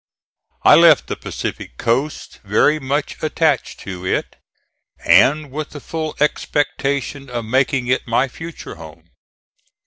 I left the Pacific coast very much attached to it, and with the full expectation of making it my future home.